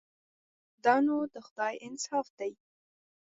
دا نو د خدای انصاف دی.